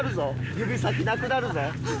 指先なくなるぞ？